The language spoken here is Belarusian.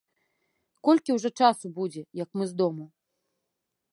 Колькі ўжо часу будзе, як мы з дому?